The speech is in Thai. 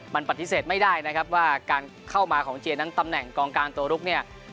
มันปฏิเสธไม่ได้นะครับว่าการเข้ามาของเจนั้นตำแหน่งกองกลางตัวลุกเนี่ย